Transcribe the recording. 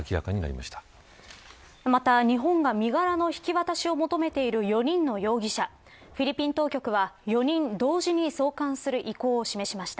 また日本が身柄の引き渡しを求めている４人の容疑者フィリピン当局は、４人同時に送還する意向を示しました。